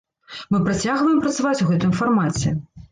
Мы працягваем працаваць у гэтым фармаце.